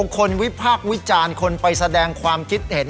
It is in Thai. คนวิพากษ์วิจารณ์คนไปแสดงความคิดเห็น